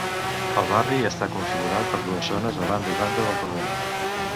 El barri està configurat per dues zones, a banda i banda del torrent.